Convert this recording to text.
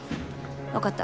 分かった。